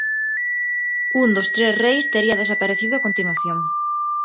Un dos tres reis tería desaparecido a continuación.